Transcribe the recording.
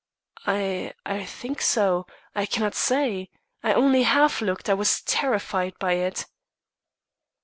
"I I think so. I cannot say; I only half looked; I was terrified by it."